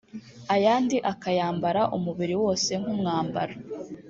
ayandi akayambara umubiri wose nk’umwambaro